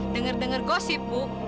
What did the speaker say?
dengar dengar gosip bu